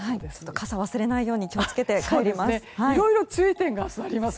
傘を忘れないように気をつけて帰ります。